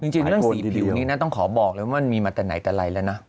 จริงเรื่องสีผิวนี้นะต้องขอบอกเลยว่ามันมีมาแต่ไหนแต่ไรแล้วนะ